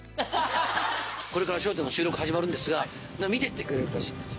これから『笑点』の収録始まるんですが見てってくれるらしいんですよ。